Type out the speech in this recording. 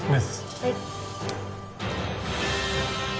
はい。